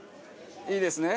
いいですね？